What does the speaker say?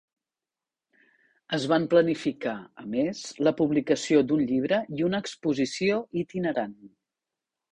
Es van planificar, a més, la publicació d'un llibre i una exposició itinerant.